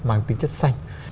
mang tính chất xanh